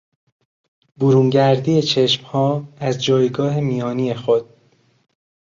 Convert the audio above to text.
برونگردی چشمها از جایگاه میانی خود